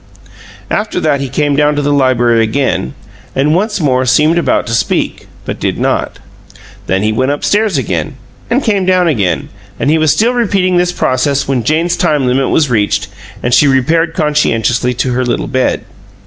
After that he came down to the library again and once more seemed about to speak, but did not. Then he went up stairs again, and came down again, and he was still repeating this process when Jane's time limit was reached and she repaired conscientiously to her little bed.